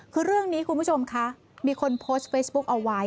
คือเรื่องนี้คุณผู้ชมคะมีคนโพสต์เฟซบุ๊กเอาไว้